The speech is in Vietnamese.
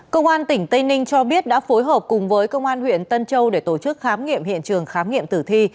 công an tỉnh tây ninh cho biết đã phối hợp cùng với công an huyện tân châu để tổ chức khám nghiệm hiện trường khám nghiệm tử thi